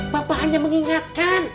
bapak hanya mengingatkan